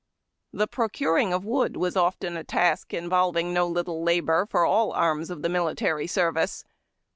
The procuring of wood was often a task involving no little labor for all arras of the militar} service.